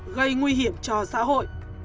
gây nguy hiểm cho xã hội